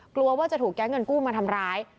กลัวว่าจะถูกแก๊งเงินกู้มาทำร้าย